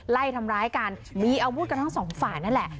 ไล่ทำร้ายกันมีอาวุธกันทั้งสองฝ่ายนั่นแหละ